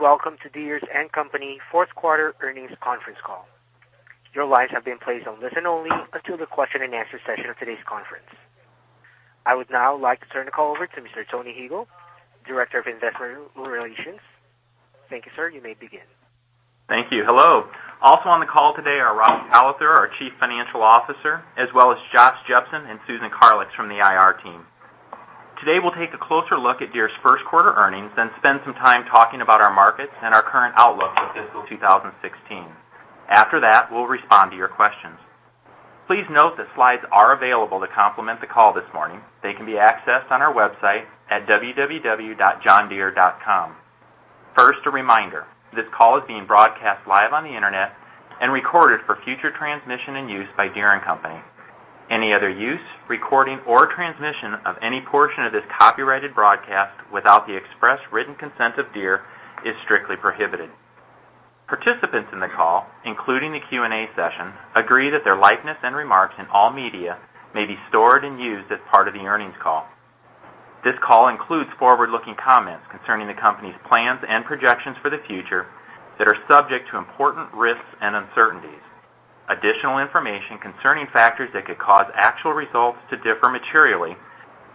Welcome to Deere & Company fourth quarter earnings conference call. Your lines have been placed on listen only until the question and answer session of today's conference. I would now like to turn the call over to Mr. Tony Huegel, Director of Investor Relations. Thank you, sir. You may begin. Thank you. Hello. Also on the call today are Raj Kalathur, our Chief Financial Officer, as well as Josh Jepsen and Susan Karlix from the IR team. Today, we'll take a closer look at Deere's first quarter earnings, then spend some time talking about our markets and our current outlook for fiscal 2016. After that, we'll respond to your questions. Please note that slides are available to complement the call this morning. They can be accessed on our website at www.johndeere.com. First, a reminder, this call is being broadcast live on the internet and recorded for future transmission and use by Deere & Company. Any other use, recording, or transmission of any portion of this copyrighted broadcast without the express written consent of Deere is strictly prohibited. Participants in the call, including the Q&A session, agree that their likeness and remarks in all media may be stored and used as part of the earnings call. This call includes forward-looking comments concerning the company's plans and projections for the future that are subject to important risks and uncertainties. Additional information concerning factors that could cause actual results to differ materially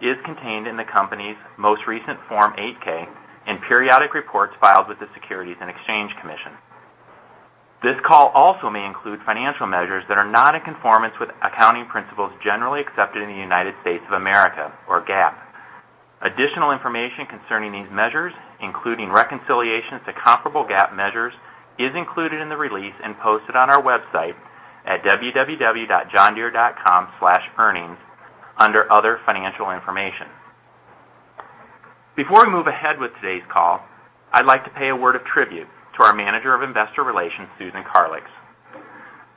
is contained in the company's most recent Form 8-K and periodic reports filed with the Securities and Exchange Commission. This call also may include financial measures that are not in conformance with accounting principles generally accepted in the U.S. of America, or GAAP. Additional information concerning these measures, including reconciliations to comparable GAAP measures, is included in the release and posted on our website at www.johndeere.com/earnings under Other Financial Information. Before we move ahead with today's call, I'd like to pay a word of tribute to our Manager of Investor Relations, Susan Karlix.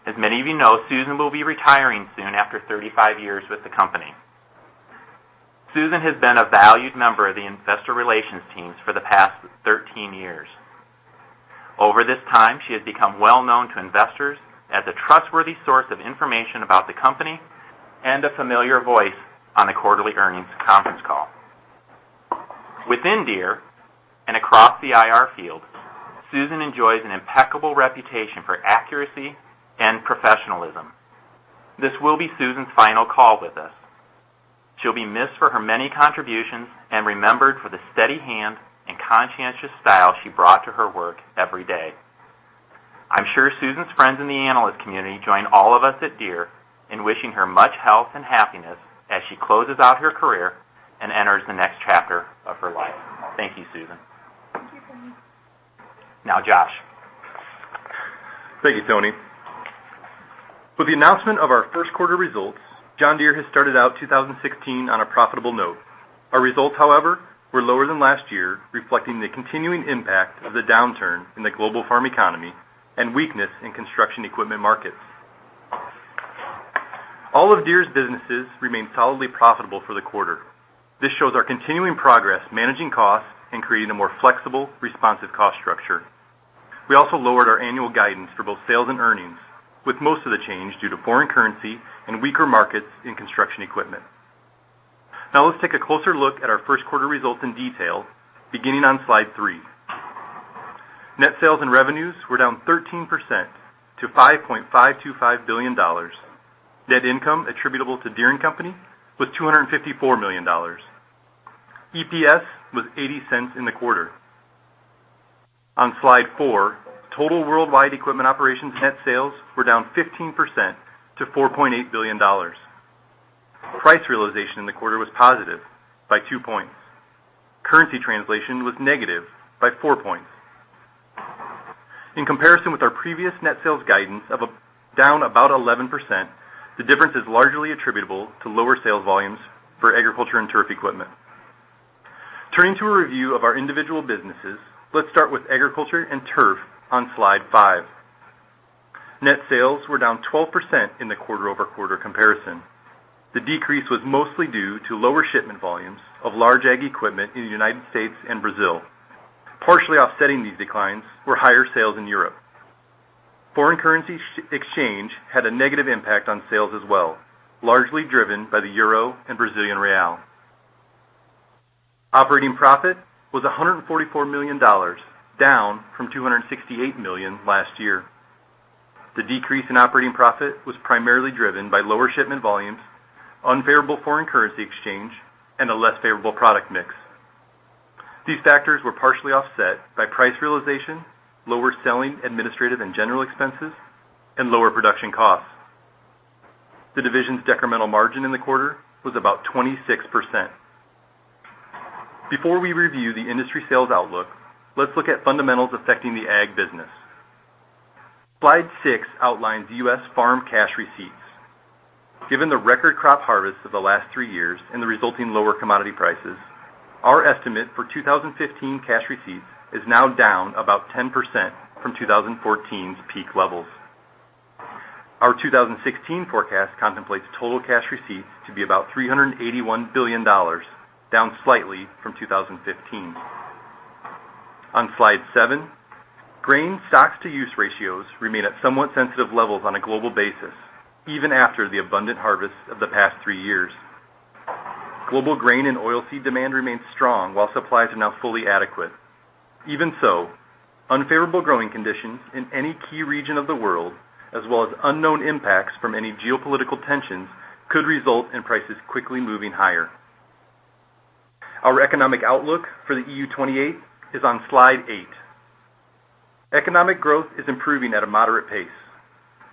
As many of you know, Susan will be retiring soon after 35 years with the company. Susan has been a valued member of the investor relations teams for the past 13 years. Over this time, she has become well-known to investors as a trustworthy source of information about the company and a familiar voice on the quarterly earnings conference call. Within Deere and across the IR field, Susan enjoys an impeccable reputation for accuracy and professionalism. This will be Susan's final call with us. She'll be missed for her many contributions and remembered for the steady hand and conscientious style she brought to her work every day. I'm sure Susan's friends in the analyst community join all of us at Deere in wishing her much health and happiness as she closes out her career and enters the next chapter of her life. Thank you, Susan. Thank you, Tony. Josh. Thank you, Tony. With the announcement of our first quarter results, John Deere has started out 2016 on a profitable note. Our results, however, were lower than last year, reflecting the continuing impact of the downturn in the global farm economy and weakness in construction equipment markets. All of Deere's businesses remain solidly profitable for the quarter. This shows our continuing progress managing costs and creating a more flexible, responsive cost structure. We also lowered our annual guidance for both sales and earnings, with most of the change due to foreign currency and weaker markets in construction equipment. Let's take a closer look at our first quarter results in detail, beginning on slide three. Net sales and revenues were down 13% to $5.525 billion. Net income attributable to Deere & Company was $254 million. EPS was $0.80 in the quarter. On slide four, total worldwide equipment operations net sales were down 15% to $4.8 billion. Price realization in the quarter was positive by two points. Currency translation was negative by four points. In comparison with our previous net sales guidance of down about 11%, the difference is largely attributable to lower sales volumes for agriculture and turf equipment. Turning to a review of our individual businesses, let's start with agriculture and turf on slide five. Net sales were down 12% in the quarter-over-quarter comparison. The decrease was mostly due to lower shipment volumes of large ag equipment in the U.S. and Brazil. Partially offsetting these declines were higher sales in Europe. Foreign currency exchange had a negative impact on sales as well, largely driven by the euro and Brazilian real. Operating profit was $144 million, down from $268 million last year. The decrease in operating profit was primarily driven by lower shipment volumes, unfavorable foreign currency exchange, and a less favorable product mix. These factors were partially offset by price realization, lower Selling, Administrative, and General expenses, and lower production costs. The division's decremental margin in the quarter was about 26%. Before we review the industry sales outlook, let's look at fundamentals affecting the ag business. Slide six outlines U.S. farm cash receipts. Given the record crop harvests of the last three years and the resulting lower commodity prices, our estimate for 2015 cash receipts is now down about 10% from 2014's peak levels. Our 2016 forecast contemplates total cash receipts to be about $381 billion, down slightly from 2015. On slide seven, grain stocks-to-use ratios remain at somewhat sensitive levels on a global basis, even after the abundant harvest of the past three years. Global grain and oil seed demand remains strong while supplies are now fully adequate. Even so, unfavorable growing conditions in any key region of the world, as well as unknown impacts from any geopolitical tensions, could result in prices quickly moving higher. Our economic outlook for the EU 28 is on slide eight. Economic growth is improving at a moderate pace.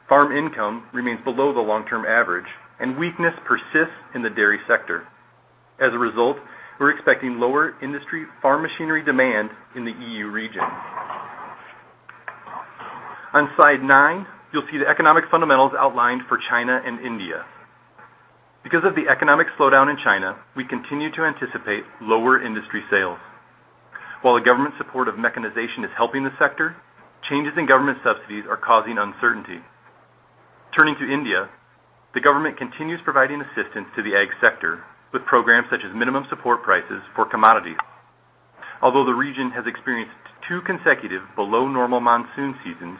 Farm income remains below the long-term average, and weakness persists in the dairy sector. As a result, we're expecting lower industry farm machinery demand in the EU region. On slide nine, you'll see the economic fundamentals outlined for China and India. Because of the economic slowdown in China, we continue to anticipate lower industry sales. While the government support of mechanization is helping the sector, changes in government subsidies are causing uncertainty. Turning to India, the government continues providing assistance to the ag sector with programs such as minimum support prices for commodities. Although the region has experienced two consecutive below normal monsoon seasons,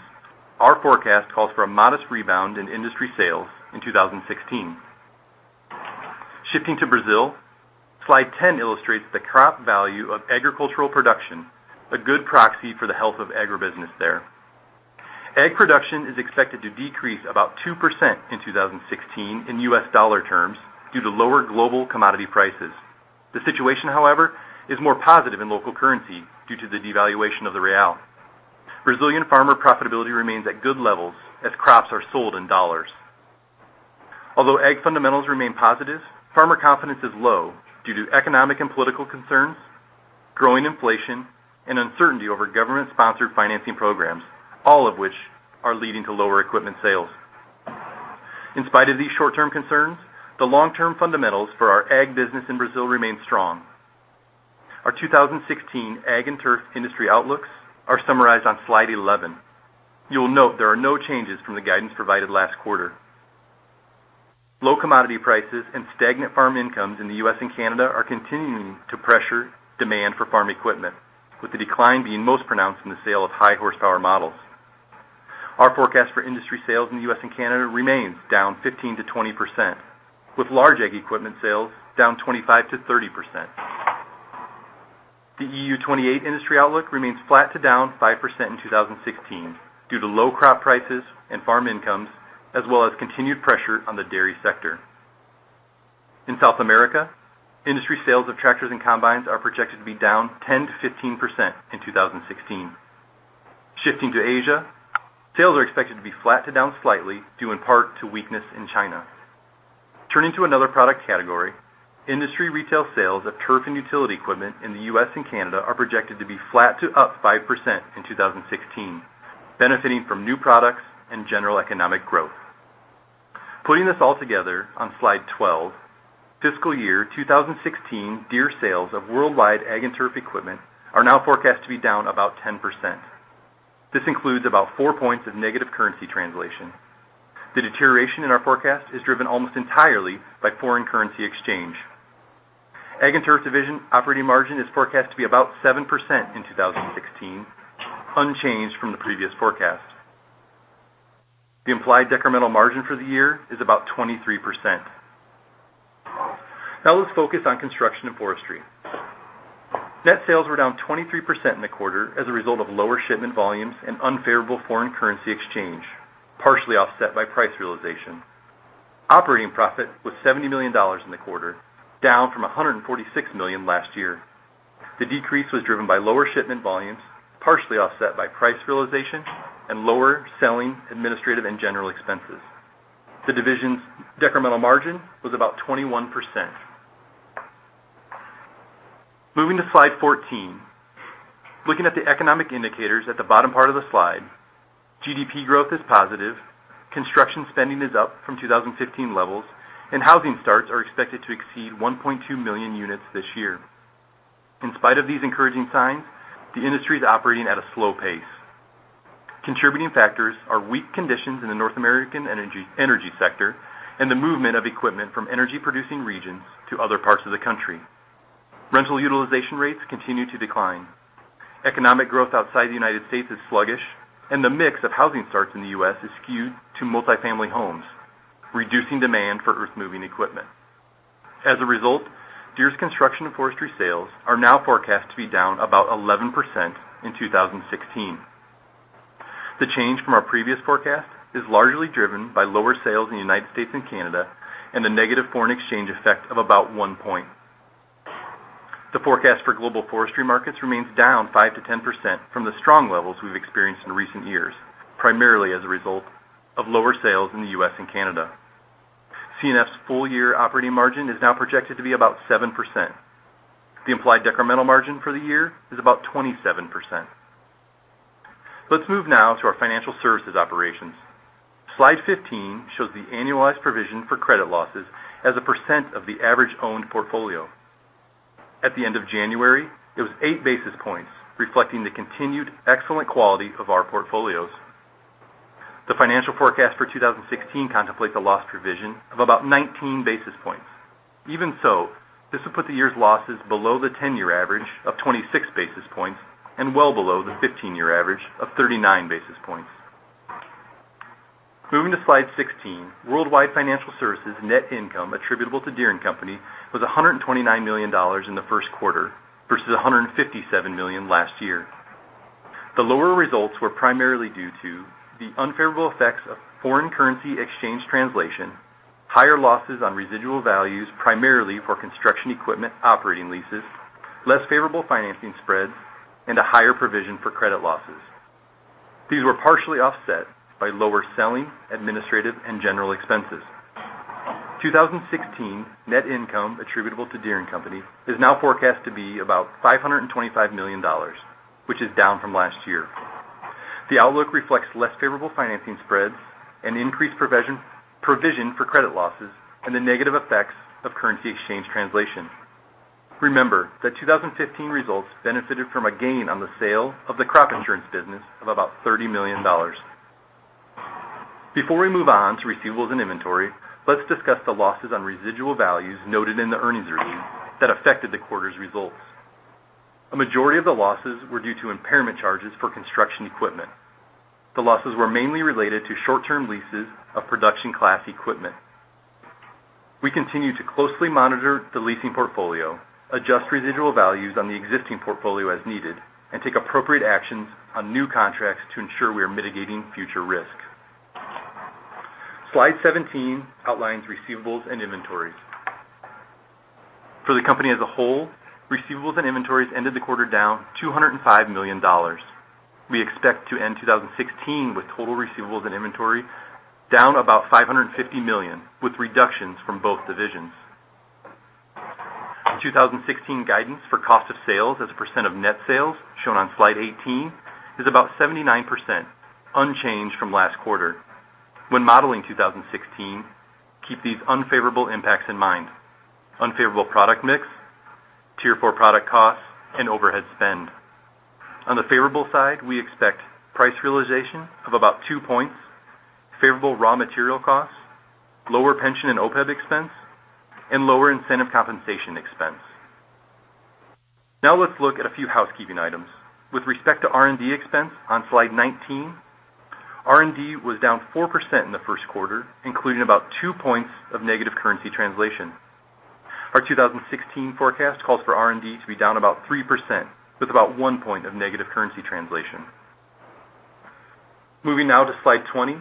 our forecast calls for a modest rebound in industry sales in 2016. Shifting to Brazil, slide 10 illustrates the crop value of agricultural production, a good proxy for the health of agribusiness there. Ag production is expected to decrease about 2% in 2016 in U.S. dollar terms due to lower global commodity prices. The situation, however, is more positive in local currency due to the devaluation of the real. Brazilian farmer profitability remains at good levels as crops are sold in dollars. Although ag fundamentals remain positive, farmer confidence is low due to economic and political concerns, growing inflation, and uncertainty over government-sponsored financing programs, all of which are leading to lower equipment sales. In spite of these short-term concerns, the long-term fundamentals for our ag business in Brazil remain strong. Our 2016 Ag and Turf industry outlooks are summarized on slide 11. You'll note there are no changes from the guidance provided last quarter. Low commodity prices and stagnant farm incomes in the U.S. and Canada are continuing to pressure demand for farm equipment, with the decline being most pronounced in the sale of high horsepower models. Our forecast for industry sales in the U.S. and Canada remains down 15%-20%, with large ag equipment sales down 25%-30%. The EU 28 industry outlook remains flat to down 5% in 2016 due to low crop prices and farm incomes, as well as continued pressure on the dairy sector. In South America, industry sales of tractors and combines are projected to be down 10%-15% in 2016. Shifting to Asia, sales are expected to be flat to down slightly, due in part to weakness in China. Turning to another product category, industry retail sales of turf and utility equipment in the U.S. and Canada are projected to be flat to up 5% in 2016, benefiting from new products and general economic growth. Putting this all together on slide 12, fiscal year 2016 Deere sales of worldwide Ag and Turf equipment are now forecast to be down about 10%. This includes about four points of negative currency translation. The deterioration in our forecast is driven almost entirely by foreign currency exchange. Ag and Turf division operating margin is forecast to be about 7% in 2016, unchanged from the previous forecast. The implied decremental margin for the year is about 23%. Now let's focus on Construction and Forestry. Net sales were down 23% in the quarter as a result of lower shipment volumes and unfavorable foreign currency exchange, partially offset by price realization. Operating profit was $70 million in the quarter, down from $146 million last year. The decrease was driven by lower shipment volumes, partially offset by price realization and lower Selling, Administrative, and General expenses. The division's decremental margin was about 21%. Moving to slide 14. Looking at the economic indicators at the bottom part of the slide, GDP growth is positive, construction spending is up from 2015 levels, and housing starts are expected to exceed 1.2 million units this year. In spite of these encouraging signs, the industry is operating at a slow pace. Contributing factors are weak conditions in the North American energy sector and the movement of equipment from energy-producing regions to other parts of the country. Rental utilization rates continue to decline. Economic growth outside the United States is sluggish, and the mix of housing starts in the U.S. is skewed to multifamily homes, reducing demand for earth-moving equipment. As a result, Deere's Construction and Forestry sales are now forecast to be down about 11% in 2016. The change from our previous forecast is largely driven by lower sales in the United States and Canada and a negative foreign exchange effect of about one point. The forecast for global forestry markets remains down 5%-10% from the strong levels we've experienced in recent years, primarily as a result of lower sales in the U.S. and Canada. C&F's full-year operating margin is now projected to be about 7%. The implied decremental margin for the year is about 27%. Let's move now to our financial services operations. Slide 15 shows the annualized provision for credit losses as a percent of the average owned portfolio. At the end of January, it was eight basis points, reflecting the continued excellent quality of our portfolios. The financial forecast for 2016 contemplates a loss provision of about 19 basis points. Even so, this will put the year's losses below the 10-year average of 26 basis points and well below the 15-year average of 39 basis points. Moving to Slide 16, Worldwide Financial Services' net income attributable to Deere & Company was $129 million in the first quarter versus $157 million last year. The lower results were primarily due to the unfavorable effects of foreign currency exchange translation, higher losses on residual values, primarily for construction equipment operating leases, less favorable financing spreads, and a higher provision for credit losses. These were partially offset by lower selling, administrative, and general expenses. 2016 net income attributable to Deere & Company is now forecast to be about $525 million, which is down from last year. The outlook reflects less favorable financing spreads and increased provision for credit losses and the negative effects of currency exchange translation. Remember that 2015 results benefited from a gain on the sale of the crop insurance business of about $30 million. Before we move on to receivables and inventory, let's discuss the losses on residual values noted in the earnings release that affected the quarter's results. A majority of the losses were due to impairment charges for construction equipment. The losses were mainly related to short-term leases of production class equipment. We continue to closely monitor the leasing portfolio, adjust residual values on the existing portfolio as needed, and take appropriate actions on new contracts to ensure we are mitigating future risk. Slide 17 outlines receivables and inventories. For the company as a whole, receivables and inventories ended the quarter down $205 million. We expect to end 2016 with total receivables and inventory down about $550 million with reductions from both divisions. The 2016 guidance for cost of sales as a percent of net sales, shown on Slide 18, is about 79%, unchanged from last quarter. When modeling 2016, keep these unfavorable impacts in mind. Unfavorable product mix, Tier 4 product costs, and overhead spend. On the favorable side, we expect price realization of about two points, favorable raw material costs, lower pension and OPEB expense, and lower incentive compensation expense. Let's look at a few housekeeping items. With respect to R&D expense on Slide 19, R&D was down 4% in the first quarter, including about two points of negative currency translation. Our 2016 forecast calls for R&D to be down about 3%, with about one point of negative currency translation. Moving now to Slide 20.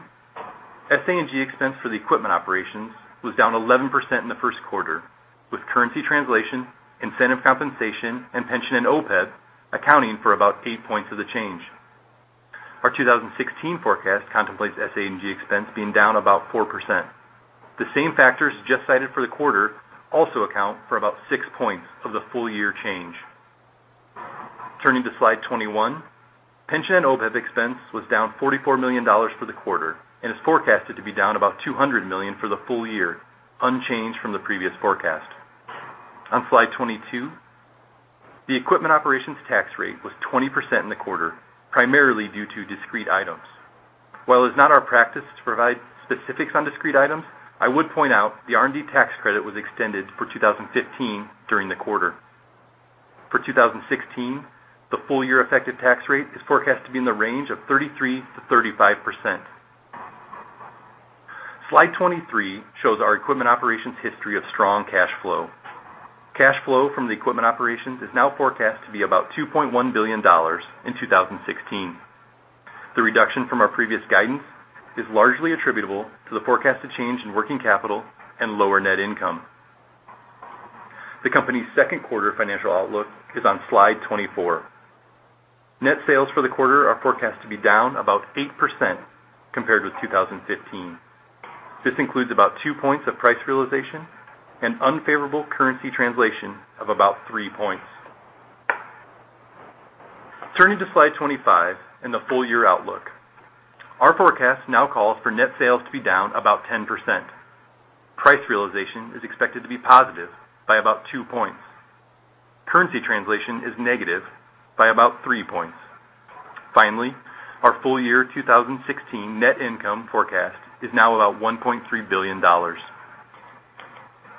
SA&G expense for the equipment operations was down 11% in the first quarter, with currency translation, incentive compensation, and pension and OPEB accounting for about eight points of the change. Our 2016 forecast contemplates SA&G expense being down about 4%. The same factors just cited for the quarter also account for about six points of the full year change. Turning to Slide 21, pension and OPEB expense was down $44 million for the quarter and is forecasted to be down about $200 million for the full year, unchanged from the previous forecast. On Slide 22, the equipment operations tax rate was 20% in the quarter, primarily due to discrete items. While it's not our practice to provide specifics on discrete items, I would point out the R&D tax credit was extended for 2015 during the quarter. For 2016, the full-year effective tax rate is forecast to be in the range of 33%-35%. Slide 23 shows our equipment operations history of strong cash flow. Cash flow from the equipment operations is now forecast to be about $2.1 billion in 2016. The reduction from our previous guidance is largely attributable to the forecasted change in working capital and lower net income. The company's second quarter financial outlook is on Slide 24. Net sales for the quarter are forecast to be down about 8% compared with 2015. This includes about two points of price realization and unfavorable currency translation of about three points. Turning to Slide 25 and the full-year outlook. Our forecast now calls for net sales to be down about 10%. Price realization is expected to be positive by about two points. Currency translation is negative by about three points. Our full-year 2016 net income forecast is now about $1.3 billion.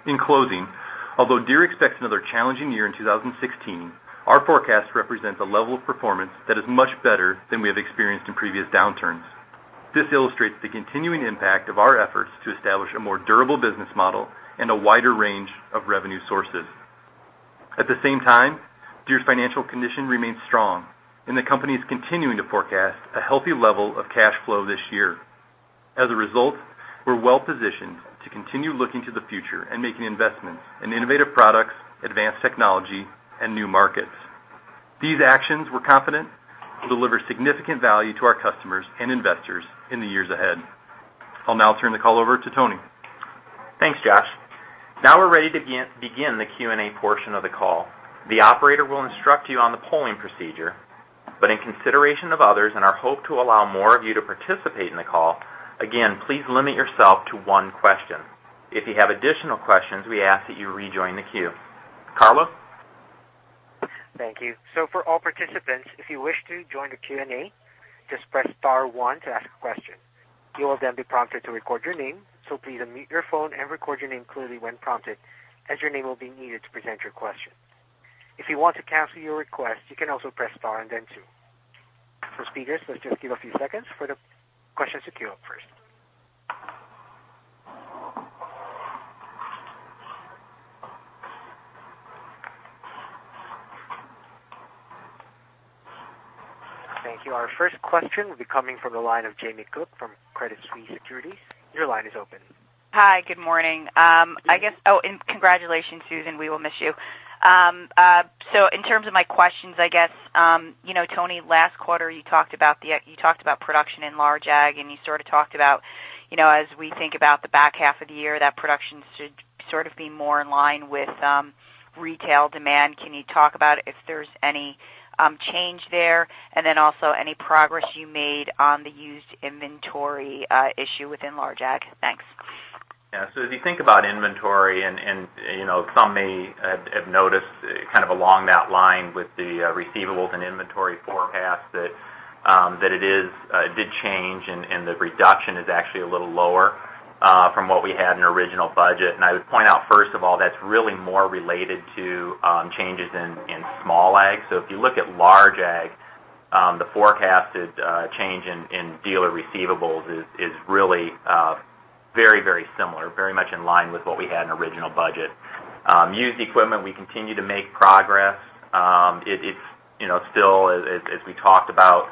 In closing, although Deere expects another challenging year in 2016, our forecast represents a level of performance that is much better than we have experienced in previous downturns. This illustrates the continuing impact of our efforts to establish a more durable business model and a wider range of revenue sources. At the same time, Deere's financial condition remains strong, and the company is continuing to forecast a healthy level of cash flow this year. As a result, we're well positioned to continue looking to the future and making investments in innovative products, advanced technology, and new markets. These actions, we're confident, will deliver significant value to our customers and investors in the years ahead. I'll now turn the call over to Tony. Thanks, Josh. Now we're ready to begin the Q&A portion of the call. The operator will instruct you on the polling procedure. In consideration of others and our hope to allow more of you to participate in the call, again, please limit yourself to one question. If you have additional questions, we ask that you rejoin the queue. Carlos? Thank you. For all participants, if you wish to join the Q&A, just press star one to ask a question. You will then be prompted to record your name, so please unmute your phone and record your name clearly when prompted, as your name will be needed to present your question. If you want to cancel your request, you can also press star and then two. For speakers, let's just give a few seconds for the questions to queue up first. Thank you. Our first question will be coming from the line of Jamie Cook from Credit Suisse Securities. Your line is open. Hi, good morning. Oh, and congratulations, Susan. We will miss you. In terms of my questions, I guess, Tony, last quarter, you talked about production in large ag, and you sort of talked about as we think about the back half of the year, that production should sort of be more in line with retail demand. Can you talk about if there's any change there? Also any progress you made on the used inventory issue within large ag? Thanks. Yeah. If you think about inventory and some may have noticed kind of along that line with the receivables and inventory forecast that it did change and the reduction is actually a little lower from what we had in our original budget. I would point out, first of all, that's really more related to changes in small ag. If you look at large ag, the forecasted change in dealer receivables is really very similar, very much in line with what we had in our original budget. Used equipment, we continue to make progress. As we talked about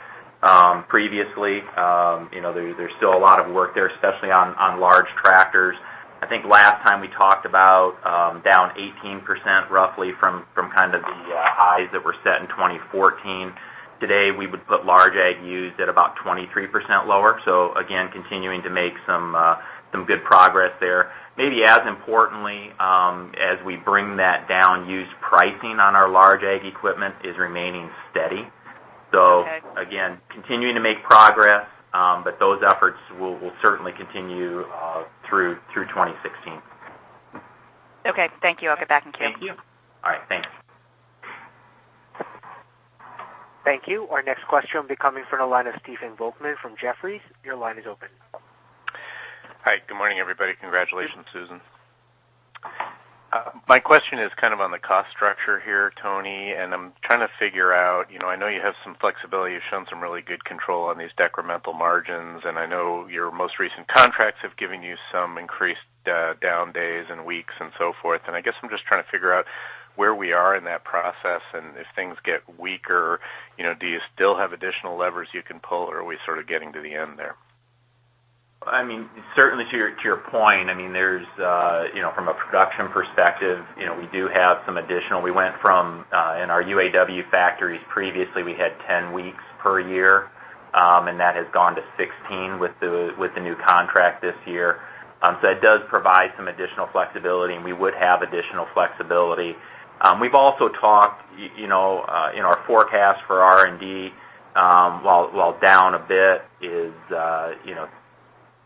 previously, there's still a lot of work there, especially on large tractors. I think last time we talked about down 18%, roughly from kind of the highs that were set in 2014. Today, we would put large ag used at about 23% lower. Again, continuing to make some good progress there. Maybe as importantly, as we bring that down, used pricing on our large ag equipment is remaining steady. Okay. Again, continuing to make progress, but those efforts will certainly continue through 2016. Thank you. I'll get back in queue. Thank you. Thanks. Thank you. Our next question will be coming from the line of Stephen Volkmann from Jefferies. Your line is open. Hi, good morning, everybody. Congratulations, Susan. My question is kind of on the cost structure here, Tony. I'm trying to figure out, I know you have some flexibility. You've shown some really good control on these decremental margins. I know your most recent contracts have given you some increased down days and weeks and so forth. I guess I'm just trying to figure out where we are in that process, if things get weaker, do you still have additional levers you can pull, or are we sort of getting to the end there? Certainly to your point, from a production perspective, we do have some additional. We went from in our UAW factories previously, we had 10 weeks per year, and that has gone to 16 with the new contract this year. It does provide some additional flexibility. We would have additional flexibility. We've also talked in our forecast for R&D, while down a bit, is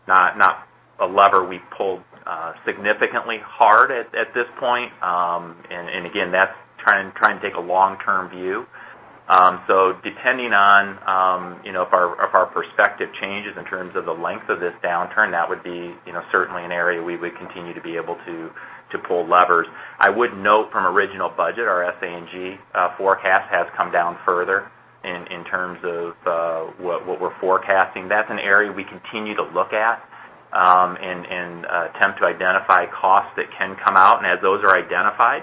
not a lever we pulled significantly hard at this point. Again, that's trying to take a long-term view. Depending on if our perspective changes in terms of the length of this downturn, that would be certainly an area we would continue to be able to pull levers. I would note from original budget, our SA&G forecast has come down further in terms of what we're forecasting. That's an area we continue to look at and attempt to identify costs that can come out. As those are identified,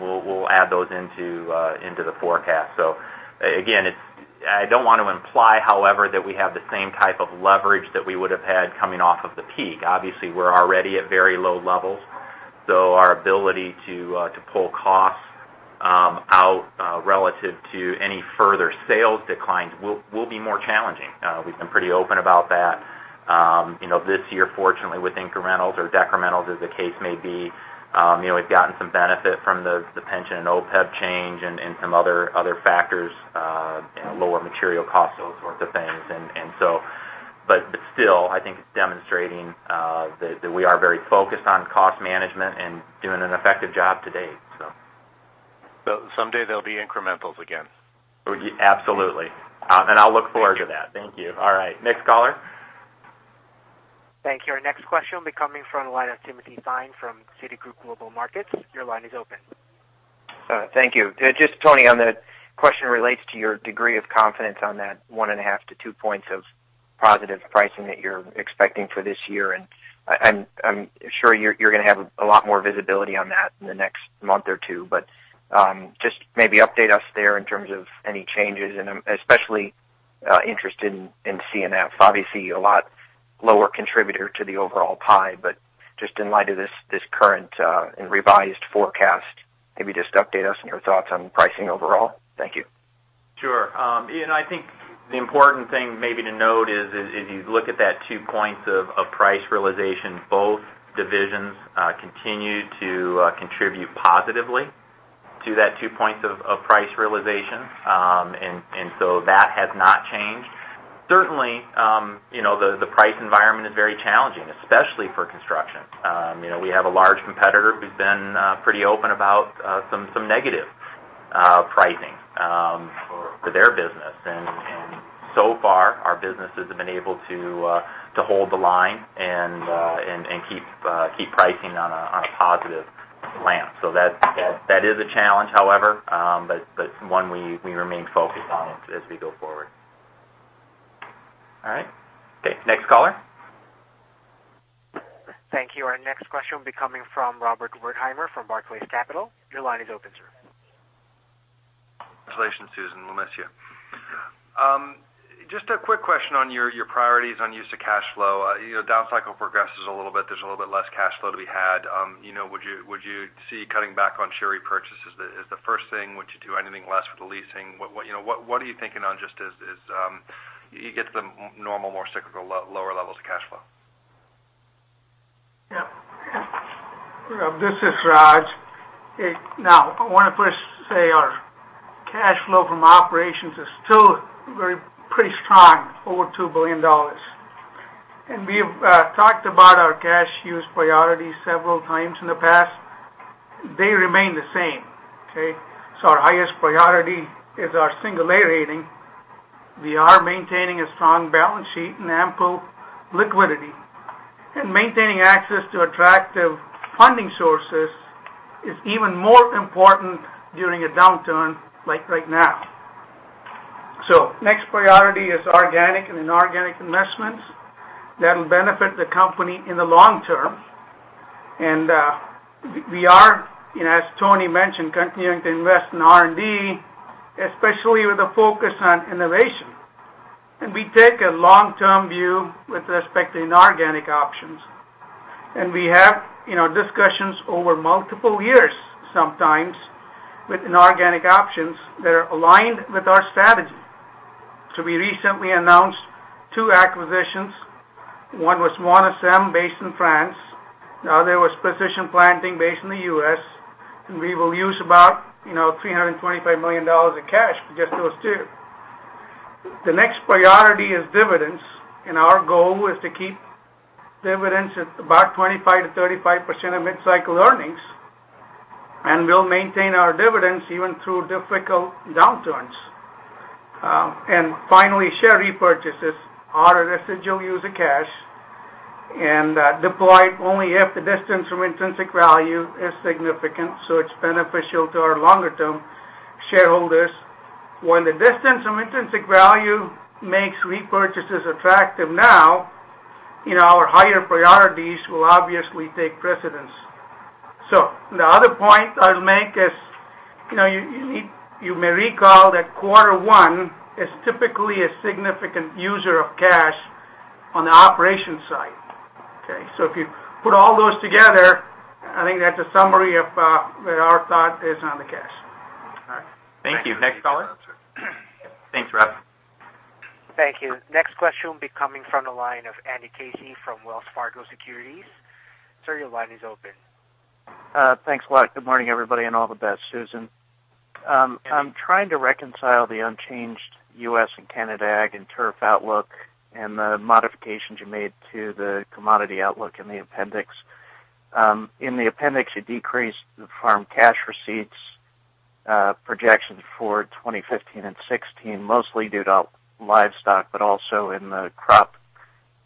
we'll add those into the forecast. Again, I don't want to imply, however, that we have the same type of leverage that we would have had coming off of the peak. Obviously, we're already at very low levels, our ability to pull costs out relative to any further sales declines will be more challenging. We've been pretty open about that. This year, fortunately, with incrementals or decrementals, as the case may be, we've gotten some benefit from the pension and OPEB change and some other factors, lower material costs, those sorts of things. Still, I think it's demonstrating that we are very focused on cost management and doing an effective job to date. someday there'll be incrementals again. Absolutely. I'll look forward to that. Thank you. All right. Next caller. Thank you. Our next question will be coming from the line of Timothy Thein from Citigroup Global Markets. Your line is open. Thank you. Just Tony, on the question relates to your degree of confidence on that one and a half to two points of positive pricing that you're expecting for this year. I'm sure you're going to have a lot more visibility on that in the next month or two, but just maybe update us there in terms of any changes, and I'm especially interested in C&F. Obviously, a lot lower contributor to the overall pie, but just in light of this current and revised forecast, maybe just update us on your thoughts on pricing overall. Thank you. Sure. I think the important thing maybe to note is if you look at that two points of price realization, both divisions continue to contribute positively to that two points of price realization. That has not changed. Certainly, the price environment is very challenging, especially for construction. We have a large competitor who's been pretty open about some negative pricing for their business. So far, our businesses have been able to hold the line and keep pricing on a positive slant. That is a challenge, however, but one we remain focused on as we go forward. All right. Okay, next caller. Thank you. Our next question will be coming from Robert Wertheimer from Barclays Capital. Your line is open, sir. Congratulations, Susan. We'll miss you. Just a quick question on your priorities on use of cash flow. Down cycle progresses a little bit, there's a little bit less cash flow to be had. Would you see cutting back on share repurchases as the first thing? Would you do anything less with the leasing? What are you thinking on just as you get to the normal, more cyclical lower levels of cash flow? Yeah. This is Raj. I want to first say our cash flow from operations is still pretty strong, over $2 billion. We've talked about our cash use priorities several times in the past. They remain the same. Okay. Our highest priority is our single A rating. We are maintaining a strong balance sheet and ample liquidity. Maintaining access to attractive funding sources is even more important during a downturn like right now. Next priority is organic and inorganic investments that'll benefit the company in the long term. We are, as Tony mentioned, continuing to invest in R&D, especially with a focus on innovation. We take a long-term view with respect to inorganic options. We have discussions over multiple years, sometimes, with inorganic options that are aligned with our strategy. We recently announced two acquisitions. One was Monosem based in France. The other was Precision Planting based in the U.S., we will use about $325 million of cash for just those two. The next priority is dividends, our goal is to keep dividends at about 25%-35% of mid-cycle earnings. We'll maintain our dividends even through difficult downturns. Finally, share repurchases are a residual use of cash, and deployed only if the distance from intrinsic value is significant, so it's beneficial to our longer-term shareholders. When the distance from intrinsic value makes repurchases attractive now, our higher priorities will obviously take precedence. The other point I'll make is, you may recall that quarter 1 is typically a significant user of cash on the operations side. Okay? If you put all those together, I think that's a summary of where our thought is on the cash. All right. Thank you. Next caller? Thanks, Raj. Thank you. Next question will be coming from the line of Andrew Casey from Wells Fargo Securities. Sir, your line is open. Thanks a lot. Good morning, everybody, and all the best, Susan. I'm trying to reconcile the unchanged U.S. and Canada ag and turf outlook and the modifications you made to the commodity outlook in the appendix. In the appendix, you decreased the farm cash receipts projections for 2015 and 2016, mostly due to livestock, but also in the crop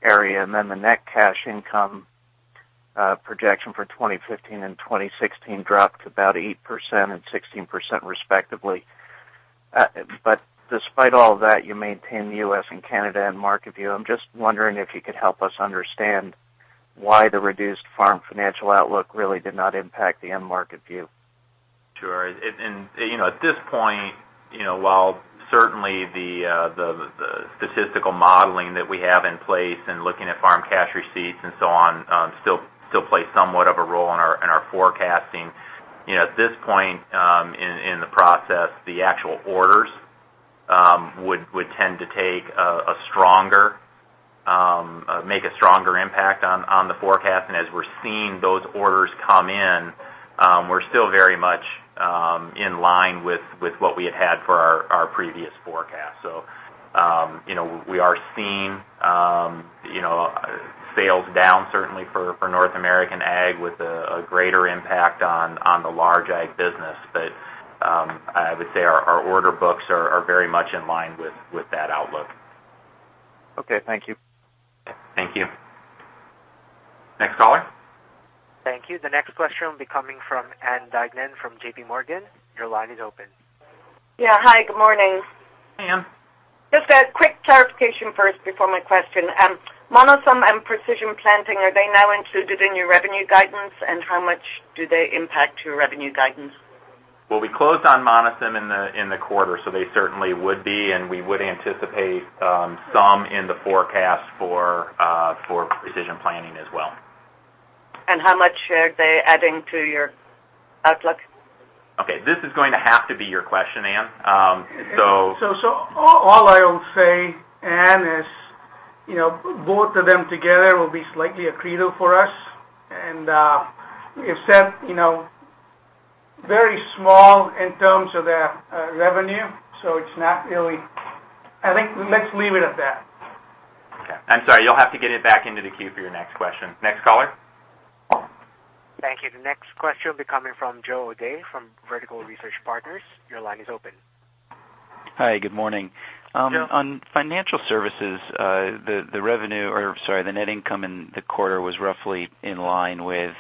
area. The net cash income projection for 2015 and 2016 dropped about 8% and 16% respectively. Despite all that, you maintain U.S. and Canada end market view. I'm just wondering if you could help us understand why the reduced farm financial outlook really did not impact the end market view. Sure. At this point, while certainly the statistical modeling that we have in place and looking at farm cash receipts and so on still play somewhat of a role in our forecasting. At this point in the process, the actual orders would tend to make a stronger impact on the forecast. As we're seeing those orders come in, we're still very much in line with what we had had for our previous forecast. We are seeing sales down certainly for North American ag with a greater impact on the large ag business. I would say our order books are very much in line with that outlook. Okay. Thank you. Thank you. Next caller? Thank you. The next question will be coming from Ann Duignan from JPMorgan. Your line is open. Yeah. Hi, good morning. Hi, Ann. Just a quick clarification first before my question. Monosem and Precision Planting, are they now included in your revenue guidance, and how much do they impact your revenue guidance? Well, we closed on Monosem in the quarter, so they certainly would be, and we would anticipate some in the forecast for Precision Planting as well. How much are they adding to your outlook? Okay. This is going to have to be your question, Ann. All I'll say, Ann, is both of them together will be slightly accretive for us. We have said very small in terms of the revenue. It's not really I think let's leave it at that. Okay. I'm sorry, you'll have to get it back into the queue for your next question. Next caller? Thank you. The next question will be coming from Joe O'Dea from Vertical Research Partners. Your line is open. Hi, good morning. Joe. On financial services, the net income in the quarter was roughly in line with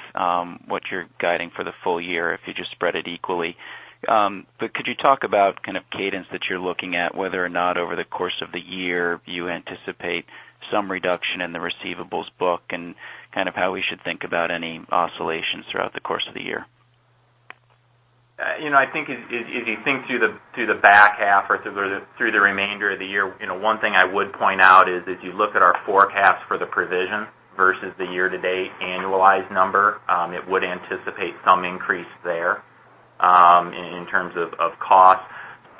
what you're guiding for the full year, if you just spread it equally. Could you talk about kind of cadence that you're looking at, whether or not over the course of the year you anticipate some reduction in the receivables book and kind of how we should think about any oscillations throughout the course of the year? I think if you think through the back half or through the remainder of the year, one thing I would point out is if you look at our forecast for the provision versus the year-to-date annualized number, it would anticipate some increase there in terms of cost.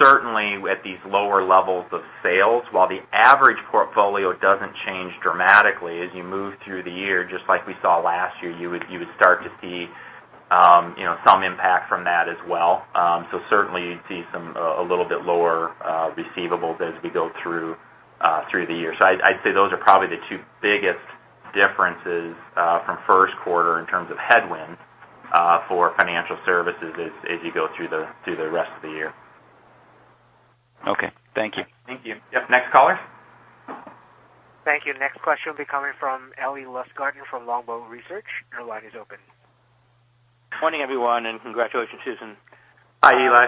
Certainly, at these lower levels of sales, while the average portfolio doesn't change dramatically as you move through the year, just like we saw last year, you would start to see some impact from that as well. Certainly, you'd see a little bit lower receivables as we go through the year. I'd say those are probably the two biggest differences from first quarter in terms of headwinds for financial services as you go through the rest of the year. Okay. Thank you. Thank you. Yep. Next caller? Thank you. Next question will be coming from Eli Lustgarten from Longbow Research. Your line is open. Morning, everyone, congratulations, Susan. Hi, Eli.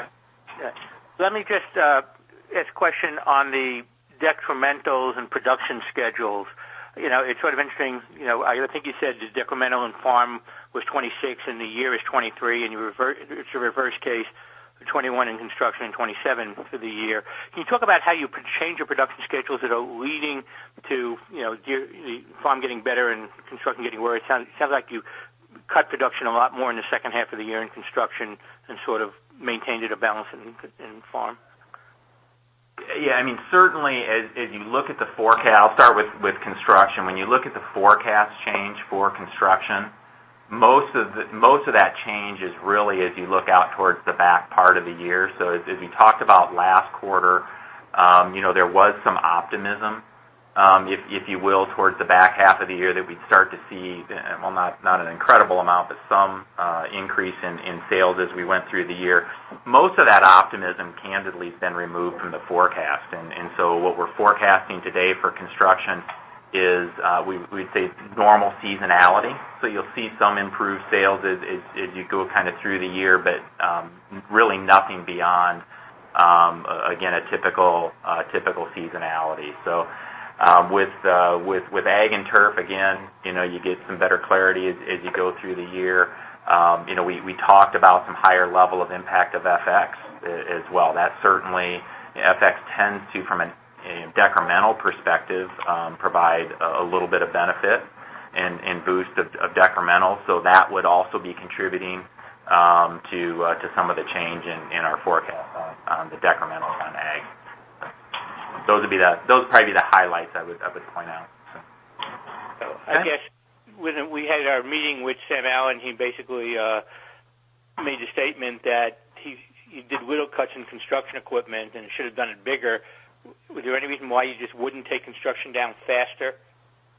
Let me just ask a question on the decrementals and production schedules. It's sort of interesting, I think you said the decremental in farm was 26 and the year is 23, and it's a reverse case, 21 in construction and 27 for the year. Can you talk about how you change your production schedules that are leading to farm getting better and construction getting worse? Sounds like you cut production a lot more in the second half of the year in construction and sort of maintained it a balance in farm. Yeah. Certainly, I'll start with construction. When you look at the forecast change for construction, most of that change is really as you look out towards the back part of the year. As we talked about last quarter, there was some optimism, if you will, towards the back half of the year that we'd start to see, well, not an incredible amount, but some increase in sales as we went through the year. Most of that optimism, candidly, has been removed from the forecast. What we're forecasting today for construction is, we'd say, normal seasonality. You'll see some improved sales as you go kind of through the year, but really nothing beyond, again, a typical seasonality. With ag and turf, again, you get some better clarity as you go through the year. We talked about some higher level of impact of FX as well. FX tends to, from a decremental perspective, provide a little bit of benefit and boost of decremental. That would also be contributing to some of the change in our forecast on the decrementals on ag. Those would probably be the highlights I would point out. I guess when we had our meeting with Sam Allen, he basically made the statement that he did little cuts in construction equipment and should have done it bigger. Was there any reason why you just wouldn't take construction down faster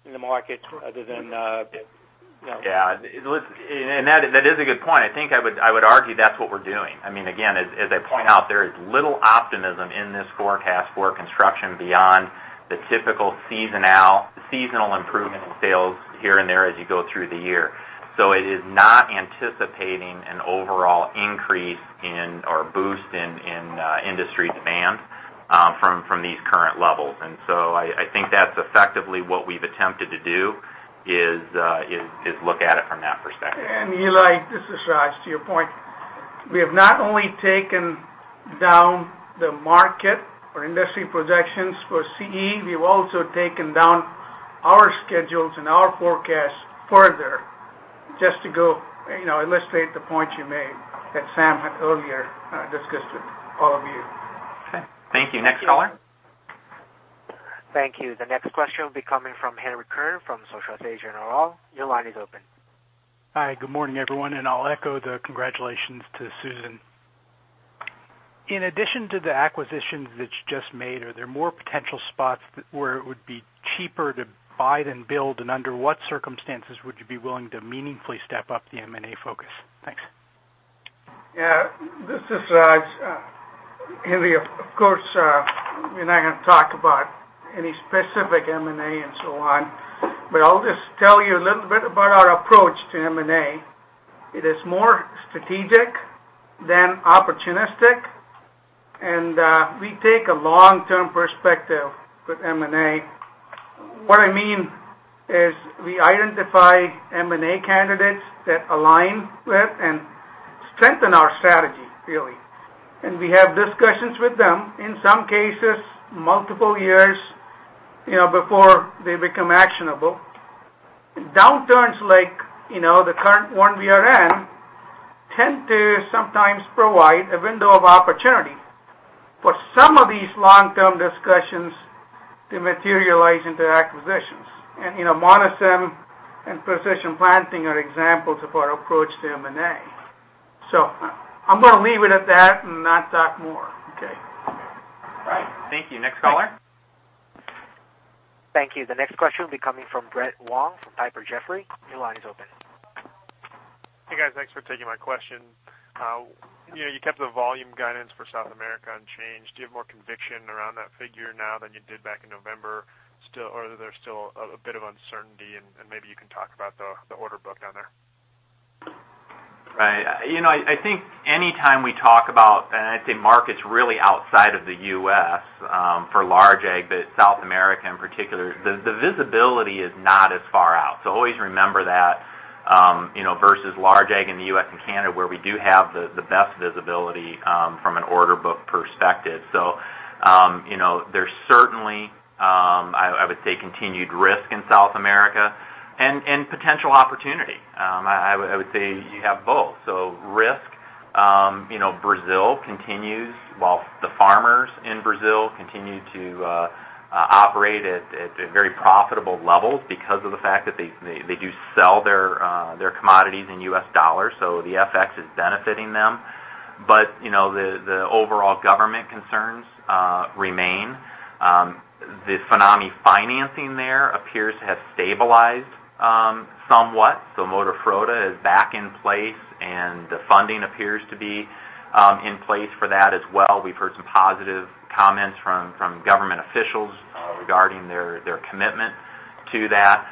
in the market other than. Yeah. That is a good point. I think I would argue that's what we're doing. Again, as I point out, there is little optimism in this forecast for construction beyond the typical seasonal improvement in sales here and there as you go through the year. It is not anticipating an overall increase in or boost in industry demand from these current levels. I think that's effectively what we've attempted to do, is look at it from that perspective. Eli, this is Raj. To your point, we have not only taken down the market or industry projections for CE, we've also taken down our schedules and our forecasts further, just to illustrate the point you made that Sam had earlier discussed with all of you. Okay. Thank you. Next caller? Thank you. The next question will be coming from Henry Kirn from Societe Generale. Your line is open. Hi. Good morning, everyone. I'll echo the congratulations to Susan. In addition to the acquisitions that you just made, are there more potential spots where it would be cheaper to buy than build, and under what circumstances would you be willing to meaningfully step up the M&A focus? Thanks. Yeah. This is Raj. Henry, of course, we're not going to talk about any specific M&A and so on. I'll just tell you a little bit about our approach to M&A. It is more strategic than opportunistic. We take a long-term perspective with M&A. What I mean is we identify M&A candidates that align with and strengthen our strategy, really. We have discussions with them, in some cases, multiple years before they become actionable. Downturns like the current one we are in tend to sometimes provide a window of opportunity. Some of these long-term discussions they materialize into acquisitions. Monosem and Precision Planting are examples of our approach to M&A. I'm going to leave it at that and not talk more. Okay. All right. Thank you. Next caller. Thank you. The next question will be coming from Brett Wong from Piper Jaffray. Your line is open. Hey, guys. Thanks for taking my question. You kept the volume guidance for South America unchanged. Do you have more conviction around that figure now than you did back in November? Or are there still a bit of uncertainty, and maybe you can talk about the order book down there. Right. I think anytime we talk about, I'd say markets really outside of the U.S. for large ag, but South America in particular, the visibility is not as far out. Always remember that, versus large ag in the U.S. and Canada, where we do have the best visibility from an order book perspective. There's certainly, I would say, continued risk in South America and potential opportunity. I would say you have both. Risk. Brazil continues, while the farmers in Brazil continue to operate at very profitable levels because of the fact that they do sell their commodities in U.S. dollars, so the FX is benefiting them. The overall government concerns remain. The FINAME financing there appears to have stabilized somewhat. Moderfrota is back in place, and the funding appears to be in place for that as well. We've heard some positive comments from government officials regarding their commitment to that.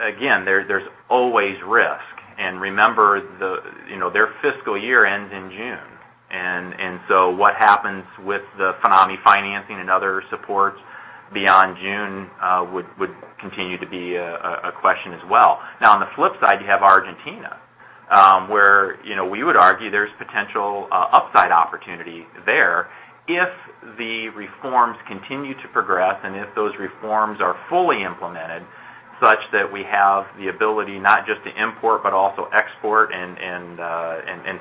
Again, there's always risk. Remember, their fiscal year ends in June. What happens with the FINAME financing and other supports beyond June would continue to be a question as well. On the flip side, you have Argentina, where we would argue there's potential upside opportunity there if the reforms continue to progress and if those reforms are fully implemented such that we have the ability not just to import, but also export and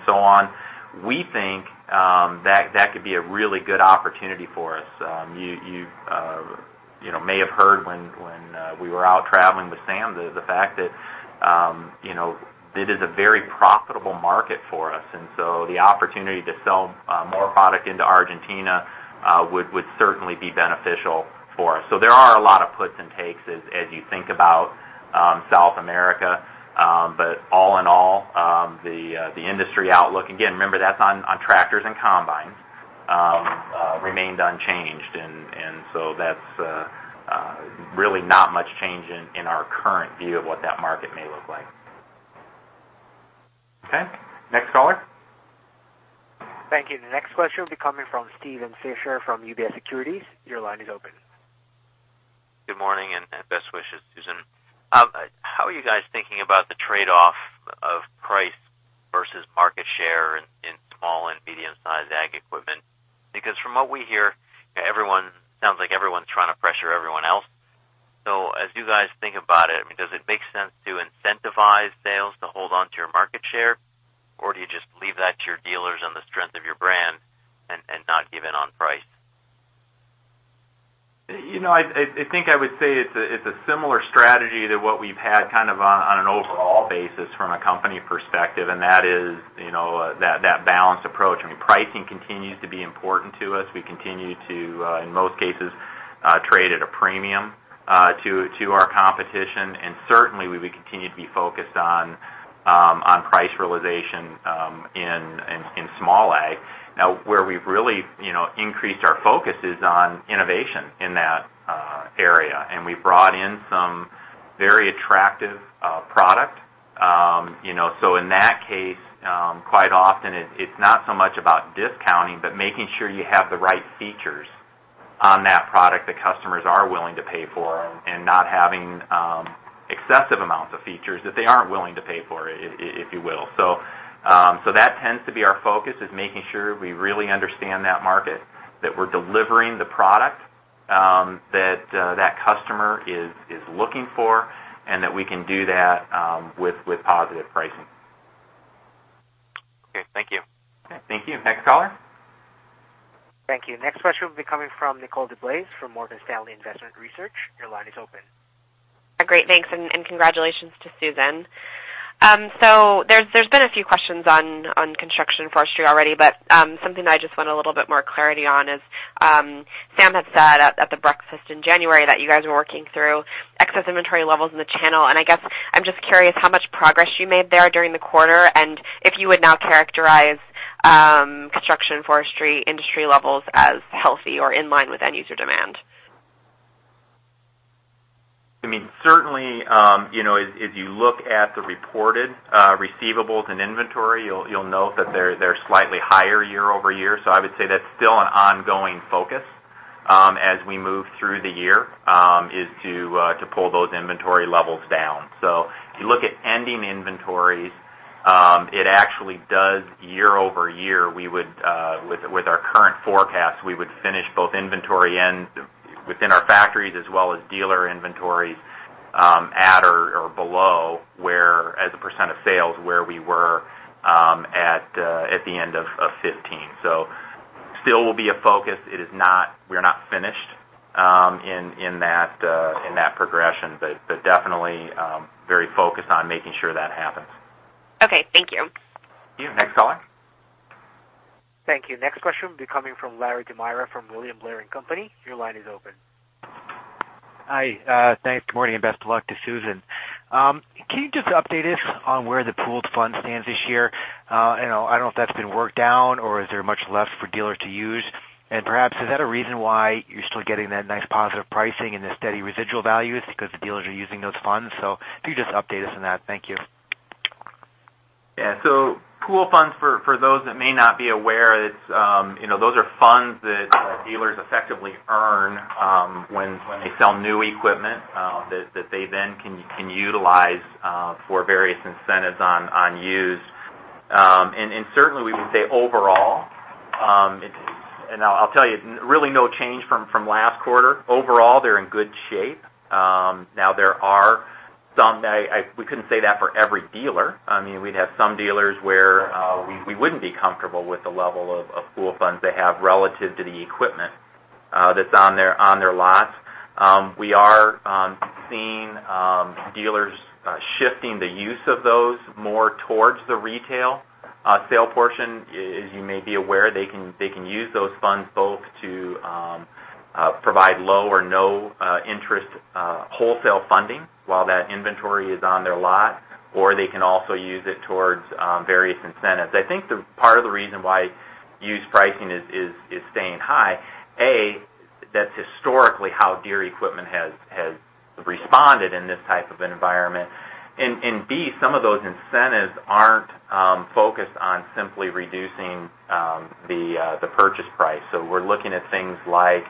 so on. We think that could be a really good opportunity for us. You may have heard when we were out traveling with Sam, the fact that it is a very profitable market for us. The opportunity to sell more product into Argentina would certainly be beneficial for us. There are a lot of puts and takes as you think about South America. All in all, the industry outlook, again, remember that's on tractors and combines, remained unchanged. That's really not much change in our current view of what that market may look like. Okay. Next caller. Thank you. The next question will be coming from Steven Fisher from UBS Securities. Your line is open. Good morning, best wishes, Susan. How are you guys thinking about the trade-off of price versus market share in small and medium-sized ag equipment? From what we hear, it sounds like everyone's trying to pressure everyone else. As you guys think about it, does it make sense to incentivize sales to hold onto your market share? Do you just leave that to your dealers on the strength of your brand and not give in on price? I think I would say it's a similar strategy to what we've had on an overall basis from a company perspective, and that is that balanced approach. Pricing continues to be important to us. We continue to, in most cases, trade at a premium to our competition. Certainly, we continue to be focused on price realization in small ag. Now, where we've really increased our focus is on innovation in that area. We've brought in some very attractive product. In that case, quite often it's not so much about discounting, but making sure you have the right features on that product that customers are willing to pay for and not having excessive amounts of features that they aren't willing to pay for, if you will. That tends to be our focus, is making sure we really understand that market, that we're delivering the product that customer is looking for, and that we can do that with positive pricing. Okay. Thank you. Okay. Thank you. Next caller. Thank you. Next question will be coming from Nicole DeBlase from Morgan Stanley Investment Research. Your line is open. Great. Thanks, and congratulations to Susan Karlix. There's been a few questions on Construction & Forestry already, something that I just want a little bit more clarity on is, Sam Allen had said at the breakfast in January that you guys were working through excess inventory levels in the channel. I guess I'm just curious how much progress you made there during the quarter and if you would now characterize Construction & Forestry industry levels as healthy or in line with end-user demand. Certainly, if you look at the reported receivables and inventory, you'll note that they're slightly higher year-over-year. I would say that's still an ongoing focus as we move through the year, is to pull those inventory levels down. If you look at ending inventories, it actually does year-over-year. With our current forecast, we would finish both inventory within our factories as well as dealer inventories At or below where, as a % of sales, where we were at the end of 2015. Still will be a focus. We're not finished in that progression, definitely very focused on making sure that happens. Okay, thank you. You. Next caller. Thank you. Next question will be coming from Larry De Maria, from William Blair & Company. Your line is open. Hi. Good morning, and best of luck to Susan. Can you just update us on where the pooled fund stands this year? I don't know if that's been worked out or is there much left for dealers to use? Perhaps, is that a reason why you're still getting that nice positive pricing and the steady residual values because the dealers are using those funds? If you could just update us on that. Thank you. Yeah. Pooled funds, for those that may not be aware, those are funds that dealers effectively earn when they sell new equipment, that they then can utilize for various incentives on used. Certainly, we would say overall, and I'll tell you, really no change from last quarter. Overall, they're in good shape. There are some that we couldn't say that for every dealer. We'd have some dealers where we wouldn't be comfortable with the level of pooled funds they have relative to the equipment that's on their lot. We are seeing dealers shifting the use of those more towards the retail sale portion. As you may be aware, they can use those funds both to provide low or no interest wholesale funding while that inventory is on their lot, or they can also use it towards various incentives. I think part of the reason why used pricing is staying high, A, that's historically how Deere equipment has responded in this type of environment. B, some of those incentives aren't focused on simply reducing the purchase price. We're looking at things like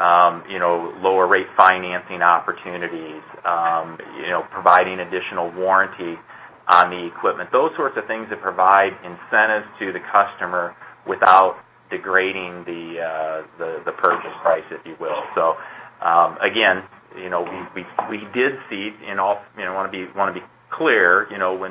lower rate financing opportunities, providing additional warranty on the equipment. Those sorts of things that provide incentives to the customer without degrading the purchase price, if you will. Again, I want to be clear,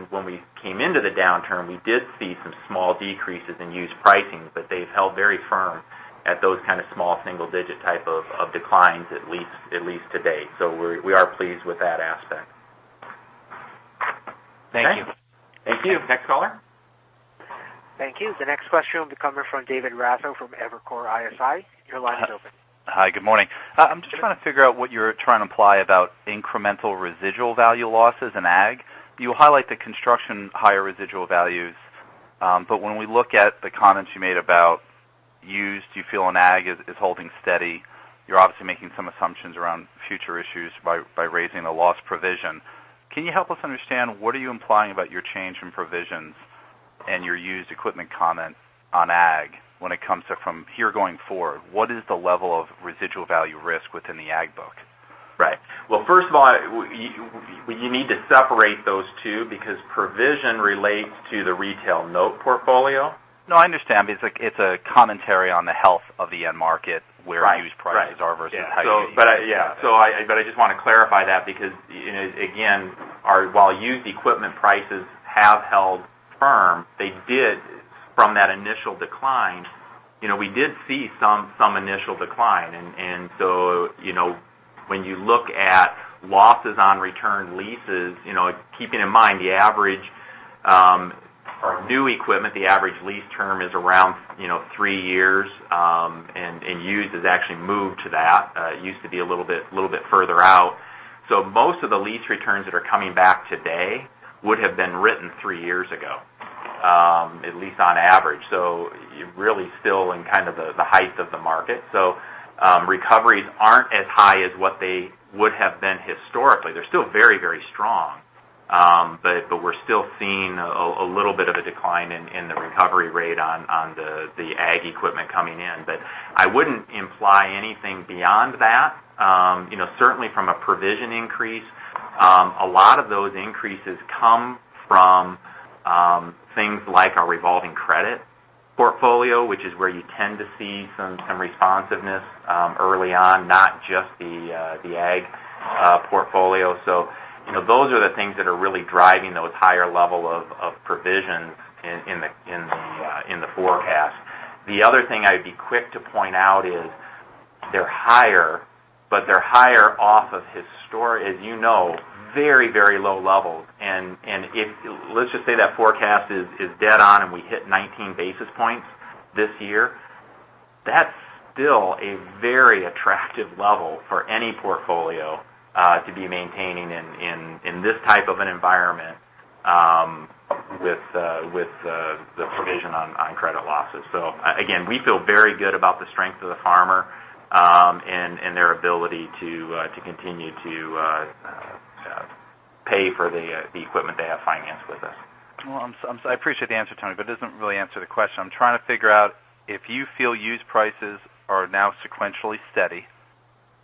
when we came into the downturn, we did see some small decreases in used pricing, but they've held very firm at those kind of small single-digit type of declines, at least to date. We are pleased with that aspect. Thank you. Thank you. Next caller. Thank you. The next question will be coming from David Raso from Evercore ISI. Your line is open. Hi, good morning. I'm just trying to figure out what you're trying to imply about incremental residual value losses in ag. You highlight the construction higher residual values. When we look at the comments you made about used, you feel in ag is holding steady. You're obviously making some assumptions around future issues by raising the loss provision. Can you help us understand what are you implying about your change in provisions and your used equipment comments on ag when it comes to from here going forward? What is the level of residual value risk within the ag book? Right. Well, first of all, you need to separate those two because provision relates to the retail note portfolio. No, I understand, it's a commentary on the health of the end market where used prices are versus how you- I just want to clarify that because, again, while used equipment prices have held firm, from that initial decline, we did see some initial decline. When you look at losses on return leases, keeping in mind the average new equipment, the average lease term is around three years, and used has actually moved to that. It used to be a little bit further out. Most of the lease returns that are coming back today would have been written three years ago, at least on average. You're really still in kind of the height of the market. Recoveries aren't as high as what they would have been historically. They're still very, very strong. We're still seeing a little bit of a decline in the recovery rate on the ag equipment coming in. I wouldn't imply anything beyond that. Certainly from a provision increase, a lot of those increases come from things like our revolving credit portfolio, which is where you tend to see some responsiveness early on, not just the ag portfolio. Those are the things that are really driving those higher level of provisions in the forecast. The other thing I'd be quick to point out is they're higher, but they're higher off of historic, as you know, very, very low levels. Let's just say that forecast is dead on and we hit 19 basis points this year. That's still a very attractive level for any portfolio to be maintaining in this type of an environment with the provision on credit losses. Again, we feel very good about the strength of the farmer and their ability to continue to pay for the equipment they have financed with us. Well, I appreciate the answer, Tony, but it doesn't really answer the question. I'm trying to figure out if you feel used prices are now sequentially steady. Yes.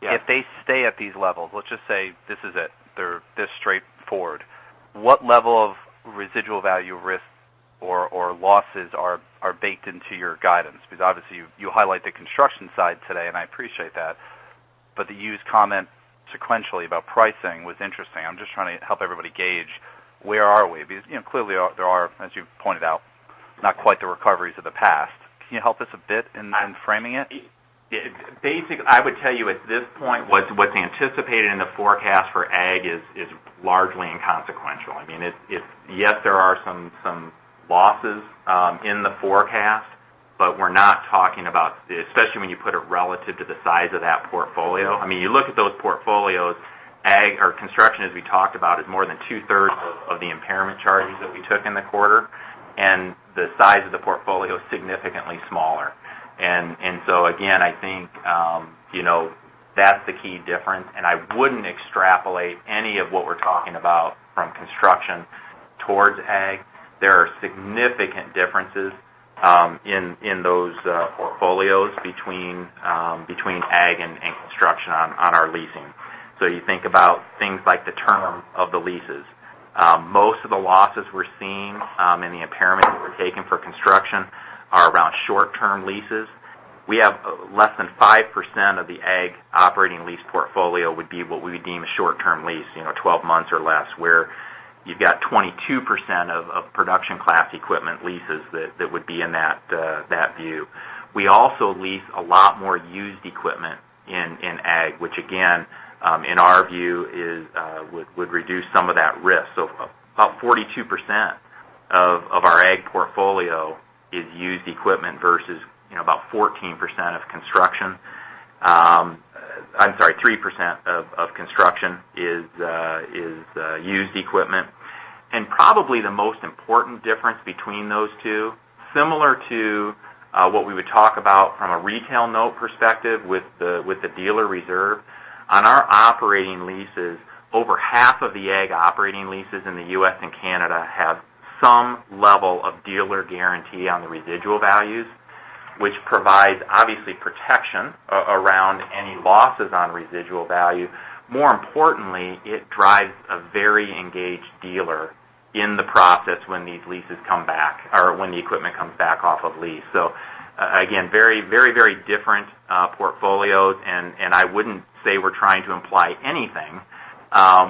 If they stay at these levels, let's just say this is it. They're this straightforward. What level of residual value risk or losses are baked into your guidance because obviously you highlight the construction side today, and I appreciate that. The used comment sequentially about pricing was interesting. I'm just trying to help everybody gauge where are we? Clearly there are, as you pointed out, not quite the recoveries of the past. Can you help us a bit in framing it? Basically, I would tell you at this point, what's anticipated in the forecast for ag is largely inconsequential. Yes, there are some losses in the forecast, but we're not talking about, especially when you put it relative to the size of that portfolio. You look at those portfolios, construction, as we talked about, is more than two-thirds of the impairment charges that we took in the quarter. The size of the portfolio is significantly smaller. Again, I think that's the key difference, and I wouldn't extrapolate any of what we're talking about from construction towards ag. There are significant differences in those portfolios between ag and construction on our leasing. You think about things like the term of the leases. Most of the losses we're seeing in the impairment that we're taking for construction are around short-term leases. We have less than 5% of the ag operating lease portfolio would be what we deem a short-term lease, 12 months or less, where you've got 22% of production class equipment leases that would be in that view. We also lease a lot more used equipment in ag, which again, in our view, would reduce some of that risk. About 42% of our ag portfolio is used equipment versus about 14% of construction. I'm sorry, 3% of construction is used equipment. Probably the most important difference between those two, similar to what we would talk about from a retail note perspective with the dealer reserve. On our operating leases, over half of the ag operating leases in the U.S. and Canada have some level of dealer guarantee on the residual values, which provides, obviously, protection around any losses on residual value. More importantly, it drives a very engaged dealer in the process when these leases come back or when the equipment comes back off of lease. Again, very different portfolios. I wouldn't say we're trying to imply anything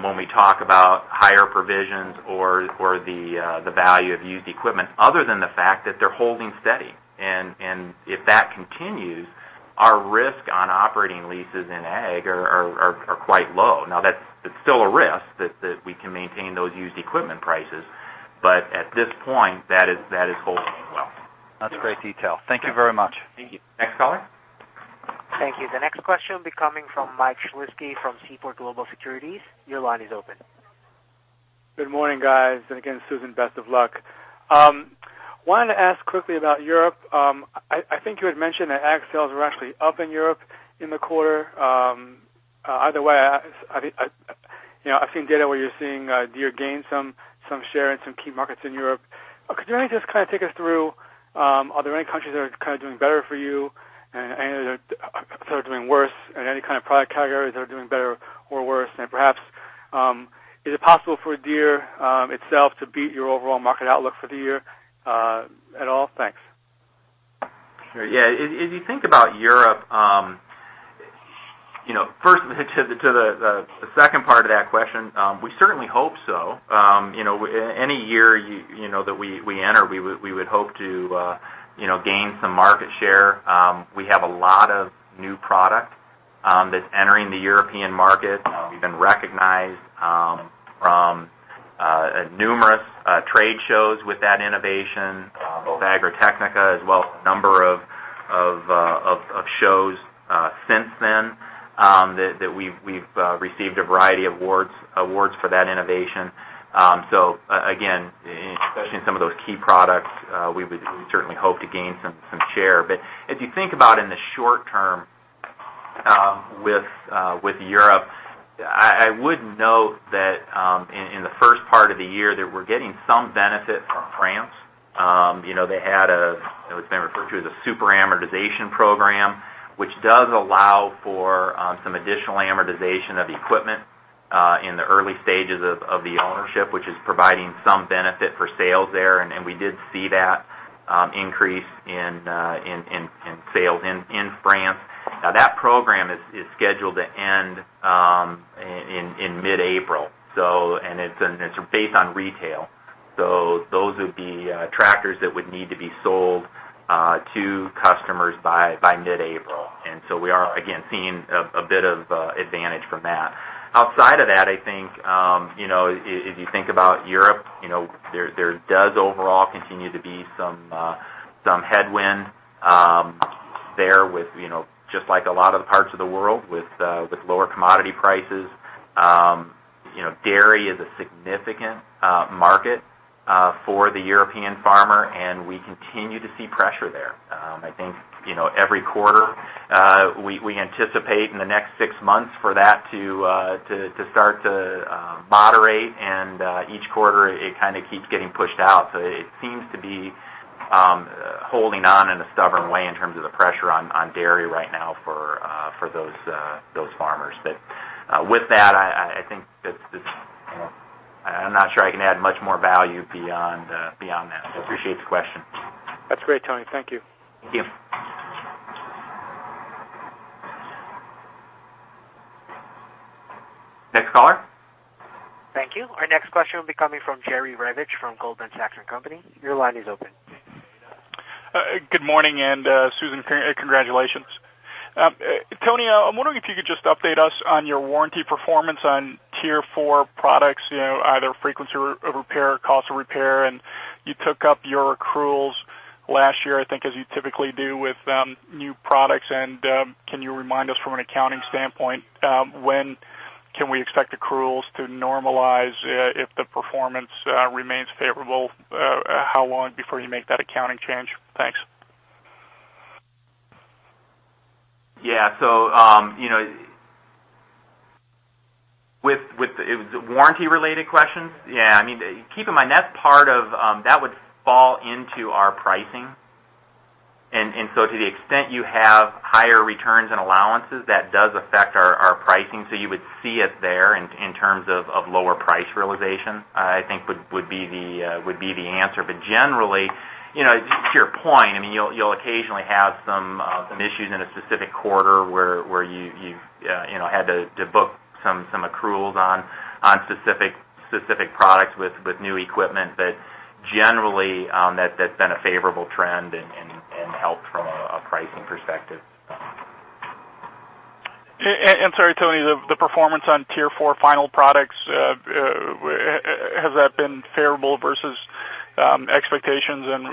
when we talk about higher provisions or the value of used equipment other than the fact that they're holding steady. If that continues, our risk on operating leases in ag are quite low. Now, that's still a risk that we can maintain those used equipment prices. At this point, that is holding well. That's great detail. Thank you very much. Thank you. Next caller. Thank you. The next question will be coming from Michael Shlisky from Seaport Global Securities. Your line is open. Good morning, guys. Susan, best of luck. I wanted to ask quickly about Europe. I think you had mentioned that ag sales were actually up in Europe in the quarter. Either way, I've seen data where you're seeing Deere gain some share in some key markets in Europe. Could you just kind of take us through, are there any countries that are kind of doing better for you and any that are sort of doing worse and any kind of product categories that are doing better or worse? Perhaps, is it possible for Deere itself to beat your overall market outlook for the year at all? Thanks. Sure. Yeah. If you think about Europe, first to the second part of that question, we certainly hope so. Any year that we enter, we would hope to gain some market share. We have a lot of new product that's entering the European market. We've been recognized from numerous trade shows with that innovation, both Agritechnica as well as a number of shows since then that we've received a variety of awards for that innovation. Again, especially in some of those key products, we would certainly hope to gain some share. If you think about in the short term with Europe, I would note that in the first part of the year that we're getting some benefit from France. They had what's been referred to as a super amortization program, which does allow for some additional amortization of equipment in the early stages of the ownership, which is providing some benefit for sales there. We did see that increase in sales in France. That program is scheduled to end in mid-April. It's based on retail. Those would be tractors that would need to be sold to customers by mid-April. We are again, seeing a bit of advantage from that. Outside of that, I think if you think about Europe, there does overall continue to be some headwind there with just like a lot of the parts of the world with lower commodity prices. Dairy is a significant market for the European farmer, and we continue to see pressure there. I think every quarter we anticipate in the next six months for that to start to moderate and each quarter it kind of keeps getting pushed out. It seems to be holding on in a stubborn way in terms of the pressure on dairy right now for those farmers. With that, I'm not sure I can add much more value beyond that. Appreciate the question. That's great, Tony. Thank you. Thank you. Next caller. Thank you. Our next question will be coming from Jerry Revich from Goldman Sachs & Co. Your line is open. Good morning, Susan, congratulations. Tony, I'm wondering if you could just update us on your warranty performance on Tier 4 products, either frequency of repair or cost of repair. You took up your accruals last year, I think as you typically do with new products. Can you remind us from an accounting standpoint, when can we expect accruals to normalize if the performance remains favorable? How long before you make that accounting change? Thanks. Yeah. With the warranty related questions. Yeah. Keep in mind, that would fall into our pricing. To the extent you have higher returns and allowances, that does affect our pricing. You would see it there in terms of lower price realization, I think would be the answer. Generally, to your point, you'll occasionally have some issues in a specific quarter where you've had to book some accruals on specific products with new equipment. Generally, that's been a favorable trend and helped from a pricing perspective. Sorry, Tony, the performance on Tier 4 final products, has that been favorable versus expectations and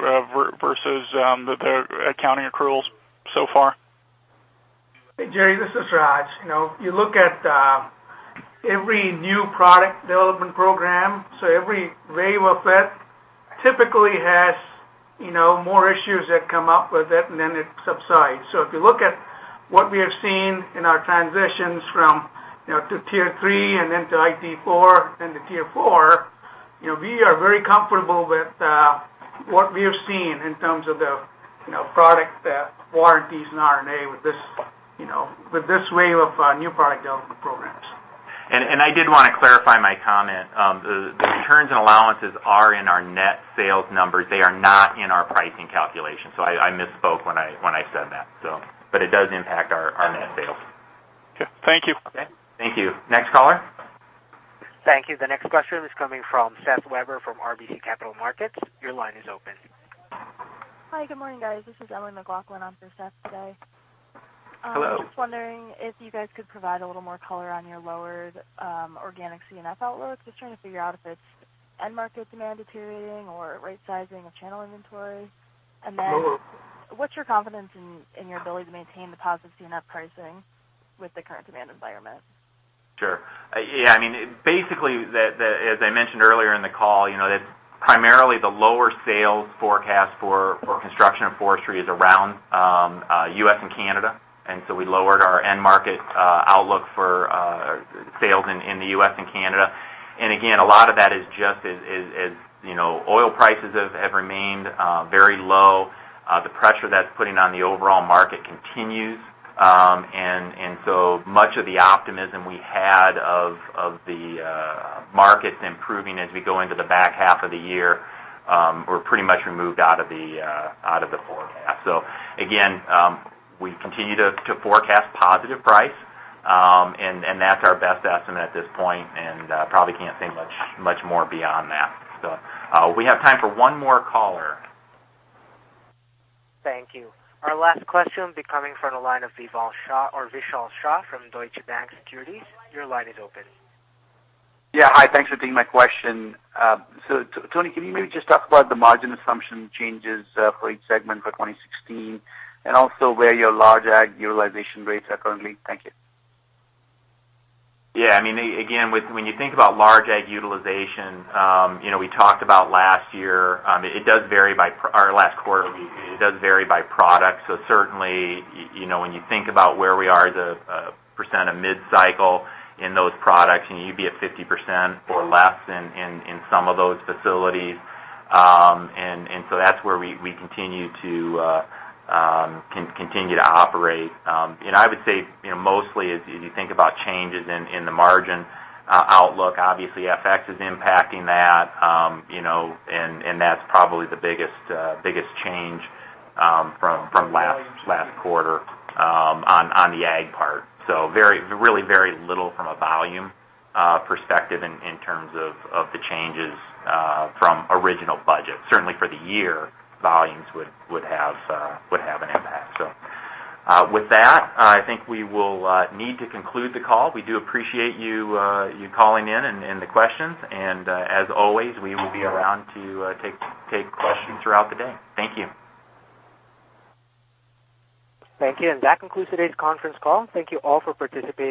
versus the accounting accruals so far? Hey, Jerry, this is Raj. You look at every new product development program. Every wave of it typically has more issues that come up with it, and then it subsides. If you look at what we have seen in our transitions from Tier 3, and then to iT4, then to Tier 4, we are very comfortable with what we have seen in terms of the product warranties and R&A with this wave of new product development programs. I did want to clarify my comment. The returns and allowances are in our net sales numbers. They are not in our pricing calculation. I misspoke when I said that. It does impact our net sales. Okay. Thank you. Okay. Thank you. Next caller. Thank you. The next question is coming from Seth Weber from RBC Capital Markets. Your line is open. Hi. Good morning, guys. This is Emily McLaughlin on for Seth today. Hello. Just wondering if you guys could provide a little more color on your lowered organic C&F outlook. Just trying to figure out if it's end market demand deteriorating or rightsizing of channel inventory. Then what's your confidence in your ability to maintain the positive C&F pricing with the current demand environment? Sure. Yeah. Basically, as I mentioned earlier in the call, primarily the lower sales forecast for construction and forestry is around U.S. and Canada. So we lowered our end market outlook for sales in the U.S. and Canada. Again, a lot of that is just as oil prices have remained very low, the pressure that's putting on the overall market continues. So much of the optimism we had of the markets improving as we go into the back half of the year, were pretty much removed out of the forecast. Again, we continue to forecast positive price. That's our best estimate at this point, and probably can't say much more beyond that. We have time for one more caller. Thank you. Our last question will be coming from the line of Vishal Shah from Deutsche Bank Securities. Your line is open. Yeah. Hi. Thanks for taking my question. Tony, can you maybe just talk about the margin assumption changes for each segment for 2016, and also where your large ag utilization rates are currently? Thank you. Yeah. Again, when you think about large ag utilization, we talked about last year, it does vary by our last quarter. It does vary by product. Certainly, when you think about where we are as a percent of mid-cycle in those products, you'd be at 50% or less in some of those facilities. That's where we continue to operate. I would say, mostly as you think about changes in the margin outlook, obviously FX is impacting that. That's probably the biggest change from last quarter on the ag part. Really very little from a volume perspective in terms of the changes from original budget. Certainly for the year, volumes would have an impact. With that, I think we will need to conclude the call. We do appreciate you calling in and the questions. As always, we will be around to take questions throughout the day. Thank you. Thank you. That concludes today's conference call. Thank you all for participating.